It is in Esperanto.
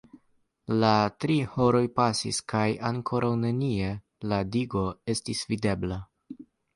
La tri horoj pasis kaj ankoraŭ nenie "la digo" estis videbla.